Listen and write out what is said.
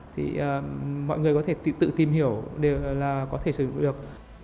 thì mọi người có thể tự tìm hiểu là có thể sử dụng được